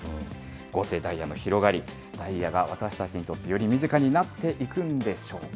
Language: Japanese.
合成ダイヤの広がり、ダイヤが私たちにとってより身近になっていくんでしょうか。